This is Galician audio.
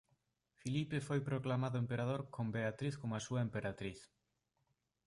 Filipe foi proclamado emperador con Beatriz como a súa emperatriz.